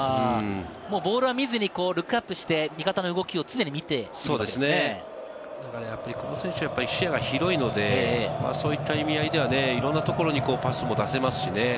ボールは見ずにルックアップして、味方の動きを常に見て、やはり久保選手は視野が広いので、そういった意味合いでは、いろんなところにパスも出せますしね。